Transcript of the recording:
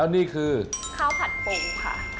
นี่คือข้าวผัดปงค่ะ